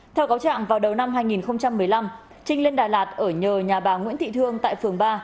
theo cáo trạng vào đầu năm hai nghìn một mươi năm trinh lên đà lạt ở nhờ nhà bà nguyễn thị thương tại phường ba